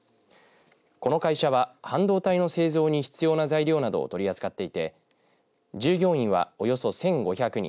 この会社は半導体の製造に必要な材料などを取り扱っていて従業員は、およそ１５００人。